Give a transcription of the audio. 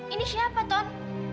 ini siapa tuhan